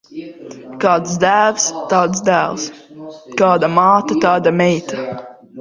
Kāds tēvs, tāds dēls; kāda māte, tāda meita.